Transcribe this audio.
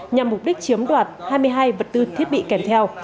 nhằm mục đích chiếm đoạt hai mươi hai vật tư thiết bị kèm theo